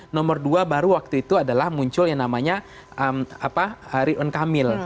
nomor dua baru waktu itu adalah muncul yang namanya ridwan kamil